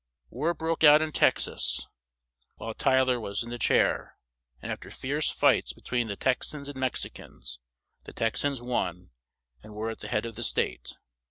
War broke out in Tex as while Ty ler was in the chair, and af ter fierce fights be tween the Tex ans and Mex i cans the Tex ans won, and were at the head of the state.